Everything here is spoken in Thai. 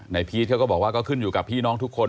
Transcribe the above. พีชเขาก็บอกว่าก็ขึ้นอยู่กับพี่น้องทุกคน